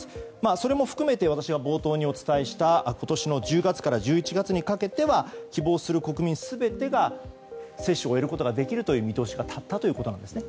それも含めて私が冒頭にお伝えした今年の１０月から１１月にかけては希望する国民全てが接種を終えることができる見通しが立ったということなんですね。